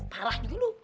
parah juga lo